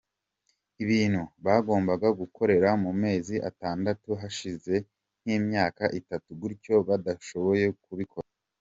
Ibintu bagombaga gukora mu mezi atandatu hashize nk’imyaka itatu gutyo badashoboye kubikora.